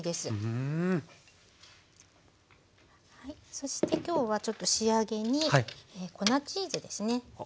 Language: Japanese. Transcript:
そして今日はちょっと仕上げに粉チーズですね。